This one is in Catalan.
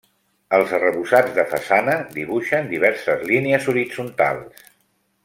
Els arrebossats de façana dibuixen diverses línies horitzontals.